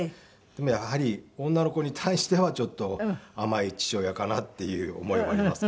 でもやはり女の子に対してはちょっと甘い父親かなっていう思いはありますけど。